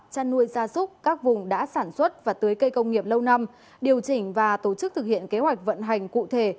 chăn nuôi gia súc các vùng đã sản xuất và tưới cây công nghiệp lâu năm điều chỉnh và tổ chức thực hiện kế hoạch vận hành cụ thể